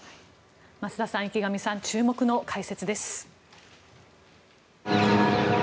増田さん、池上さん注目の解説です。